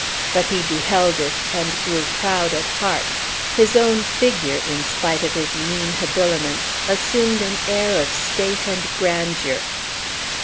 But he beheld it, and grew proud at heart; his own figure, in spite of his mean habiliments, assumed an air of state and grandeur.